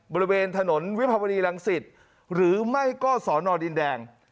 บริเวณถนนวิทยาลังศิษย์หรือไม่ก็สอนอดินแดง